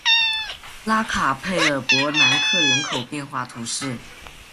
拉卡佩尔博南克人口变化图示